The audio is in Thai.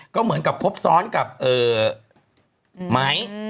ก็เหมือนกับครบซ้อนกับไหม